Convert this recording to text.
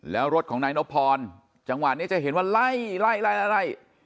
แล้วรถของนายนพรจังหวะนี้จะเห็นว่าไล่ไล่